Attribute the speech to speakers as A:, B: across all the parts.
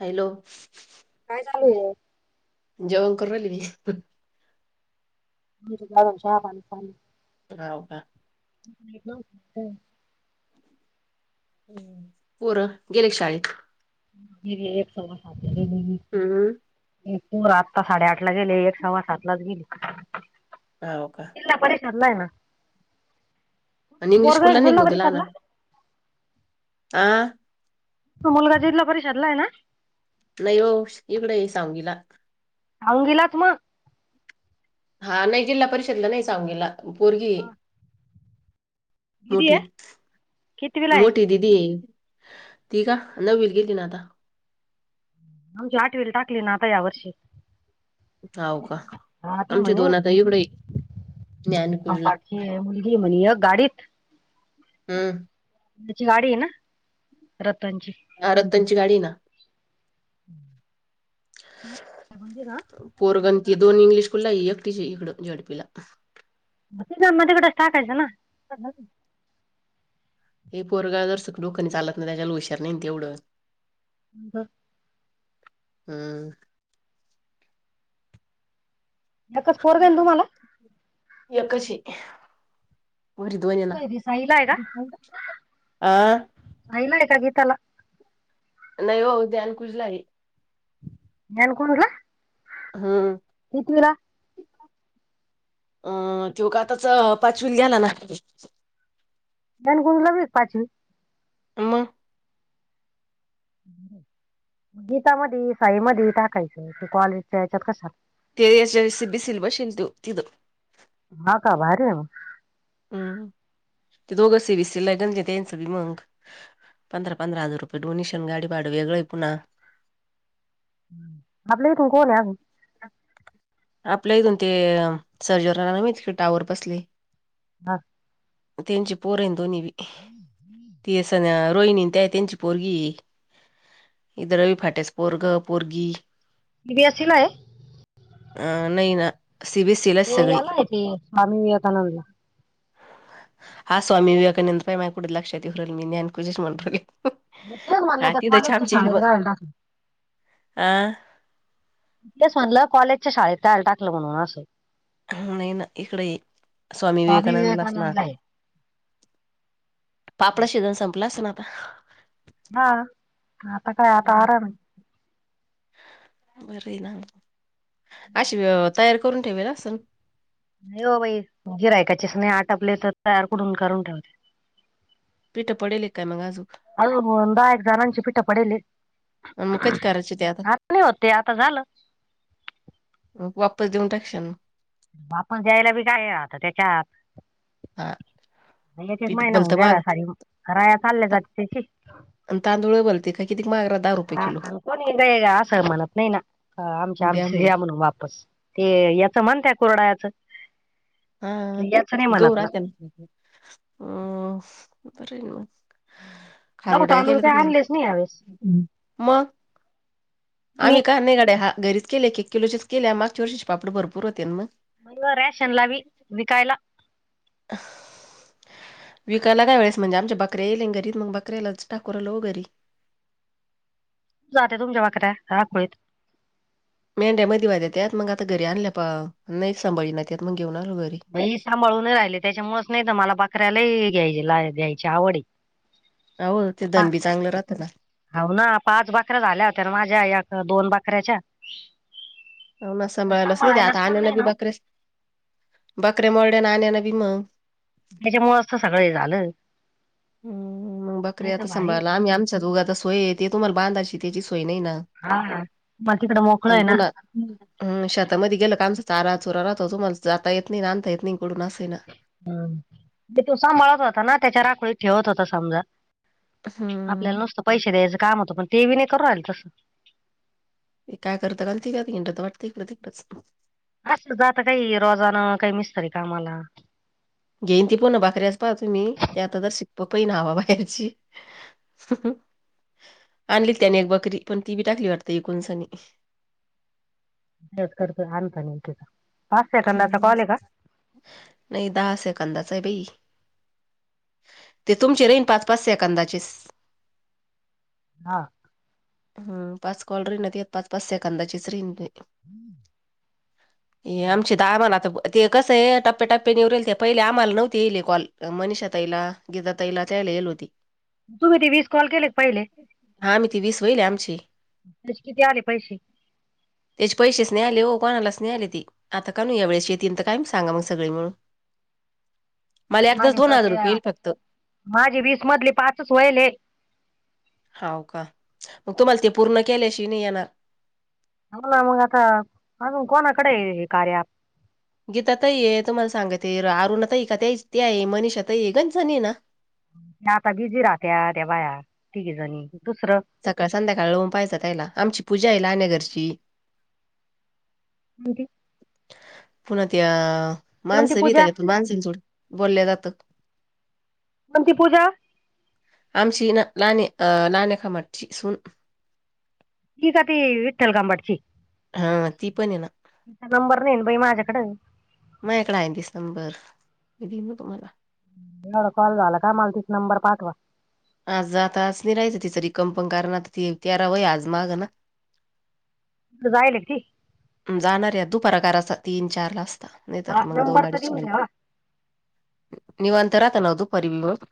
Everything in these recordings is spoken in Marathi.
A: हॅलो.
B: काय चालू आहे?
A: जवण करु राहिल मी
B: [inaudible]
A: हो का.
B: हॅलो!
A: गेले शाळेत.
B: [unintelligible]
A: हम्म
B: हो आत्ता साडेआठ ला गेले एक सव्वा सात लाच गेली
A: हा हो का आणि इंग्लिश स्कूलला नाही का मग
B: [inaudible]
A: आं!
B: हा मुलगा जिल्हा परिषदला आहे ना
A: नाही हो इकडें आहे सांगलिला
B: [unintelligible]
A: हा नाही जिल्हा परिषदला नाही चमगेला पोरगी
B: दिदी
A: मोठी
B: आहे कितवीला आहे
A: मोठी दीदी ती का नववीला गेली ना आता
B: आमची आठवील टाकली ना आता या वर्षी
A: हो का
B: हा ती
A: आमचे
B: म्हणे
A: दोन आता एवढ
B: [unintelligible]
A: हम्म.
B: त्याची गाडी आहे ना र
A: हा रद्दांची गाडी ना
B: [unintelligible] काय माहिती हाय का
A: पोरगं आणि दोन इंग्लिशकुलला आहे एकटी इकडं झेडपीला
B: [inaudible]
A: [unintelligible] [inaudible]
B: ह का
A: हम्म
B: एकच पोरग हाय तुम्हाला
A: कशी
B: [inaudible]
A: आ.
B: त्याला
A: नाही हो ध्यान कुजला आहे
B: [inaudible]
A: अं तेव का आताच पाचवील गेला ना
B: दण गुंदला ब एक पाचवी
A: मग
B: गीतामध्ये साई म टाकायचं क कॉलज यायच्यात कशात
A: [inaudible]
B: हा का भारी य मग
A: हम्म ज दो गस्सेी बीसेी लागगन ज त तन सवी मग पंधरा पंधरा हजार रुपये डोनेशन गाडी भाड वेगळं आहे पुन्हा
B: आपले तू कोो न्यावी
A: आपल्या इथून ते सर्जनरावण टावर बसले
B: हा
A: त्यांची पोर दोन्ही तीना रोहिणी ते त्यांची पोरगी इदरवी फाट्यास पोरग पोरगी
B: दीदी अशी नाय
A: अ नाही ना सीबीएसईलाच
B: ते
A: सगळी.
B: याला ते स्वामी विवेकानंदला
A: हा स्वामी विवेकानंद पाय माय कुड लक्षात येईल मी नान पूजेश म्हणू राहिले.
B: म तेच म्हणलं त्या मॉलेजच्या शाळेत घायल टाक
A: आं?
B: च म्हटलं कॉलेजच्या शाळेत त्याला टाकलं म्हणून असं.
A: नाही ना इकडे स्वामी विवेकानंदलाचना
B: विवेकानंदला आहे
A: पापडच शिजन संपला अस ना आता.
B: हा आता काय आता आराम.
A: बर ना अशी तयार करून ठेवेल असन.
B: नाही हो बाई! गिरिकच ऐकायचीच नाही आटपले तर तयार कुडून करून ठेवते.
A: पिठं पडेल काय मग अजून
B: अजून दहा एक जणांची पिठ पडेले त.
A: आणि मग कधी करायच ते आता
B: होत ते आता झालं
A: बा्? परत देऊन टाक शान.
B: आपण दयला बी काय हाय त्याच्या हातात.
A: हा
B: एक एक
A: पीठ
B: महिना
A: भलतं
B: होऊन
A: महाग
B: घरी साारी राया चालल्या जाती त्याची
A: अन तांदूळ भलते काय किती? महाग राहता दहा रुपये किलो.
B: अन कोणी असं म्हणत नाही ना आमच्या आमच्या या म्हणून वापस ते याच म्ह कोणत्या कुरडयाचं?
A: गहू राहत्या ना मग हम् बाराय ना मग.
B: गहू
A: खारुड्या
B: तांदूळ
A: केलं
B: काय
A: तुमही
B: आणलेच नाही यावेळेस
A: मग?
B: मी
A: आम्ही का नाही गा्या हा घरीच केले एक किलोचे केले मागच्या वर्षीचे पापड भरपूर होते मग.
B: नाही हो रॅशन ला बी विकायला
A: विकायला काय वेळेस म्हणजे आमच्या बकऱ्या येईले घरीत मग बकऱ्यालाच टाकू राहिलो हो घरी. [inaudible]
B: कुठे जाते तुमच्या बकऱ्या राखोळीत.
A: मेढ्या मध्ये होत्या त्या मग आता घरी आणल्या प नाही सांभाळ ना त्यात मग घेऊन आलो घरी.
B: सांभाळून राहिले त्याच्यामुळेच नाही तर मला बाकऱ्याला घ्यायची आवड ये.
A: हाव धनबी चांगलं राहत ना.
B: हो ना पाच बाकऱ्या झाल्या होत्या माझ्या या दोन बाकऱ्याच्या.
A: हो ना,
B: पण
A: सभाळलच नाही ते
B: सांभाळायलाच
A: आता
B: कोण
A: अन्या ना
B: नाही
A: बकऱ्या हो ना अन्याना भीम मंग
B: त्याच्यामुळच त सगळ हे झालं.
A: हम्म मग
B: नाही
A: बकऱ्या
B: तर
A: आता
B: भारी
A: सांभाळला आम्ही आमच्या उगाच सोय येते तुम्हाला बांधाची ते बी सोय नाही ना
B: हा मग तिकडं मोकळ आहे
A: मग
B: ना
A: पुन्हा शेतामध्ये गेलो तर चारा -चुरा राहतो तुम्हाला जाता येत नाही अंता येत नाही. इकडून असं आहे ना.
B: हम्म तो सांभाळत होता ना त्याच्या राखोळीत ठेवत होता समजा
A: हम्म
B: आपल्याला नुसतं पैसे द्यायचं काम होतं पण ते नाही करू राले तसं
A: ते काय करत कानु ते वाटतं इडते वाटत हिकडं तिकडंच.
B: असंत जात आता काही रोजान काही मिस्तरी कामाला.
A: घेईन ती पूना भाकऱ्याच पाहा तुम्ही ते आता दरसिक पहिन हवा बाहेरची. आणली त्याने एक बकरी पण ती बी टाकली वाटते एकुन सनी. [unintelligible]
B: तेच करत आणता न विकित.
A: हम् नाही दहा सेकंदाच आहे बाई. ते तुमचे रईन पाच पाच या कांनदाचेस
B: हा
A: हम पाच कॉल रहिना ते, पाच पाच सेकंदाचीच राहिन ते. हे आमचे
B: [inaudible]
A: दहा आम्हाला आता ते कसं आहे, टप्प्या टप्प्याने ते पहिले आम्हाला नव्हते येले कॉल, मनीषा ताईला गेल गीता ताईला तैला येल होती.
B: तुम्ही ते वीस कॉल केले पहिले?
A: हा आम्ही ती वीस वहिले आमची
B: त्याचे किती आले पैसे?
A: त्याचे पैसेच नाही आले हो. कोणालाच नाही आले ते. आता का नू या वेळेशी येत काही सांगा मग सगळे मिळून. मला एकदाच
B: माझे
A: दोन
B: तर
A: हजार
B: ते
A: रुपये येईल फक्त
B: माझे वीस मधले पाचच वईलेत.
A: होव का? मग तुम्हाला ते पूर्ण केल्याशि नाही येणार.
B: हला मग आता अजून कोणाकडे हे कार्य
A: गीता ताई हैत, तुम्हाला सांगते अरुणातई का तेच ते आहे मनिषा ते गणजनी ना
B: त्या आता बिझी राहत्यात्या बाया, तिघीजणी.
A: सकाळ संध्याकाळऊन पायचपायला, आमची पूजा आहे लाने घरची.
B: [unintelligible]
A: पुन्हा त्या,
B: कोणती
A: माणसं
B: पूजा
A: बीताच्यातून [unintelligible] माणसांजड बोलल्या जात.
B: म ती पूजा
A: नाणे अ नाणेकामची सून
B: ती का ती विठल कामढची?
A: हा ती पण आहे ना
B: तचा नंबर नाही बाई माझ्याकडे.
A: म एकड आहेऐ दिस नंबर, मी देन ना तुम्हाला.
B: एवढा कॉल झाला का, मला तिच नंबर पाठवा.
A: आज आता नि राहायचं, तिचं र कंपन कारण आता त तेराव आज मागं ना. हा
B: जाायलाती
A: जाणाऱ्या दुपारकाराचा तीन चार ला अस त. नाही तरर मग दोन
B: नंबर तर
A: अडीच
B: देऊन
A: नाही.
B: ठेवा
A: निवांत राहता नव्ह दुपारी मग?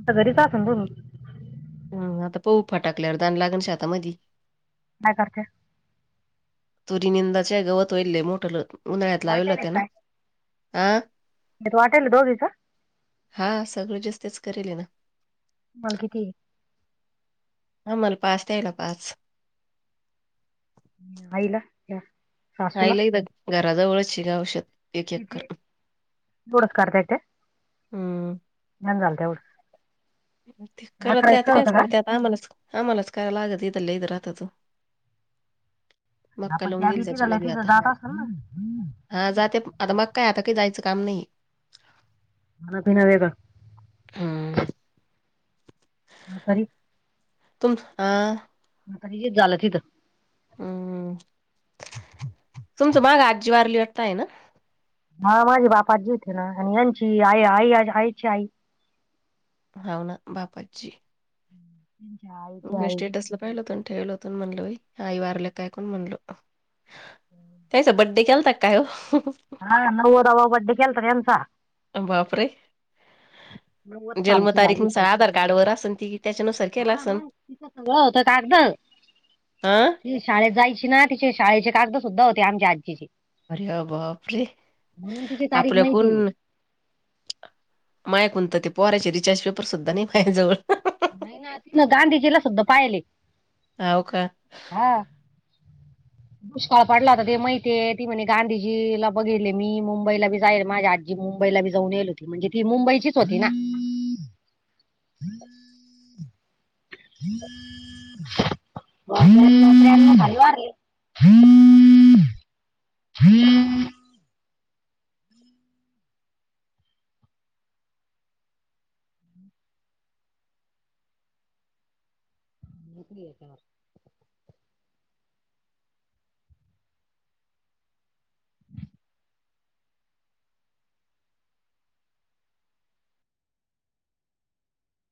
B: आता घरीच अस बूलू
A: हा आता पऊफा टाकल्यावर, ताण लागण शेतामधी.
B: काय करचे?
A: तुरीनंदाचे गवत वईलले मोठ उन्हाळ्यात लावल
B: वाटेल
A: त्यानं
B: काय
A: हा
B: येत वाटेल दोघीच
A: हा सगळं जास्तच करेल ना.
B: तुम्हाल कीती?
A: आमला पाच, त्यायला पाच.
B: आईला या? सासूला
A: आईला ही घराजवळची गौश
B: कितीे थोडच काढता येतय.
A: हम्म.
B: नाही झालं तेवढं.
A: ते करत
B: अकरा
A: आत
B: एक
A: कायच
B: होतं का
A: करत, आम्हालाच आम्हालाच करायला लागत. ते तर लई तर राहतच. मक्का
B: आपण
A: लावून
B: त्या भीती झाल्या तिथं जात असाल ना मला
A: [unintelligible] हा जाते आता मग काय आता क जायचं काम नाही.
B: खानापिना वेगळा?
A: हं,
B: म्हातारी?
A: तुम हह
B: [unintelligible] झालं तिथं.
A: हम्म, तुमच माग आजी वारली वाटत आहे ना?
B: हा माझे बापाजी थे ना आणि यांची आई आई आणि आईची आई.
A: भावना बापाची.
B: यांची आईची
A: तुमच्या
B: आई
A: स्टेटस ला पाहिलं होत ठेवलं म्हणलो बाई आई वारला कायकून म्हणलो त्याचा बड्डे के त काय ओ
B: हा नव्वदांवा बड्डे केलतां त्यांचा
A: बाप रे!
B: नव्वद सालची
A: जन्मतारीख
B: झाली होती.
A: नुसार आधार कार्ड वर असन ती त्याच्यानुसार केला
B: हा
A: असन.
B: मग तिचं सगळं होतं कागद
A: हा
B: ती शाळेत जायची ना तिचे शाळेचे कागद सुद्धा होते. आमच्या आजीचे
A: अरया बाप रे!
B: म्हणून तिची तारीख
A: आपल्या कोण
B: माहितीये
A: मायाकुंन त ते पोराचे रिचार्ज पेपर सुुद्धा नायी माया जवळ
B: नाही ना तिला गांधीजीला सुद्धा पाहिलय.
A: हाव का?
B: दुष्काळ पडला होता ते माहितेय. ती म्हणे गांधीजीला बघेले मी मुंबईला बी जाईल माझ्या आजी मुंबईला बी जाऊन यायलो ती म्हणजे ती मुंबईचीच होती ना.
A: [inaudible]
B: [inaudible] [inaudible] [inaudible] घेतली याच्या वर